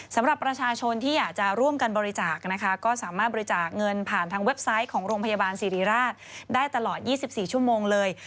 สำหรับประชาชนที่อยากจะร่วมกันบริจาคนะคะก็สามารถบริจาคเงินผ่านทางเว็บไซต์ของโรงพยาบาลสิริราชได้ตลอด๒๔ชั่วโมงเลย